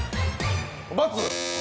×。